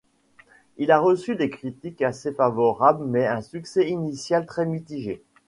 Il a reçu des critiques assez favorables mais un succès initial très mitigé.